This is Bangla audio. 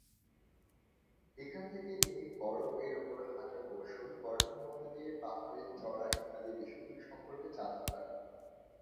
এখান থেকে তিনি বরফ এর উপর হাঁটার কৌশল, বরফের মধ্য দিয়ে পাহাড়ে চড়া ইত্যাদি বিষয় গুলি সম্পর্কে জানতে পারেন।